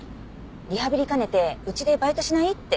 リハビリ兼ねてうちでバイトしない？って。